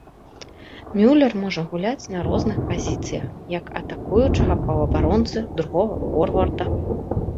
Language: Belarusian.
Мюлер можа гуляць на розных пазіцыях, як атакуючага паўабаронцы, другога форварда.